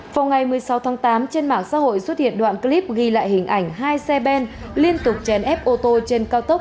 vào ngày một mươi sáu tháng tám trên mạng xã hội xuất hiện đoạn clip ghi lại hình ảnh hai xe ben liên tục chèn ép ô tô trên cao tốc